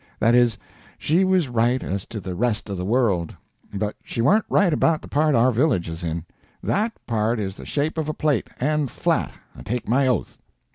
That is, she was right as to the rest of the world, but she warn't right about the part our village is in; that part is the shape of a plate, and flat, I take my oath!